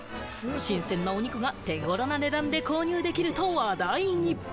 新鮮なお肉が手頃な値段で購入できると話題に。